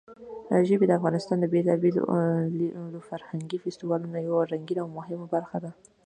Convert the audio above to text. ژبې د افغانستان د بېلابېلو فرهنګي فستیوالونو یوه رنګینه او مهمه برخه ده.